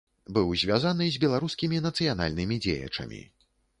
Быў звязаны з беларускімі нацыянальнымі дзеячамі.